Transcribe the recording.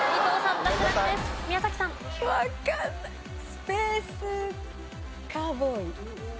『スペースカウボーイ』。